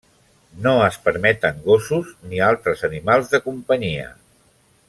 No es permeten gossos ni altres animals de companyia.